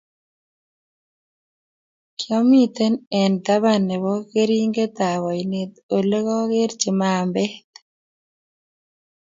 kiomiten eng taban nebo keringet ab ainet ole kokerchi mambet